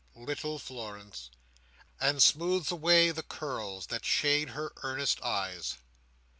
little Florence!" and smooths away the curls that shade her earnest eyes.